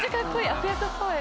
悪役っぽい。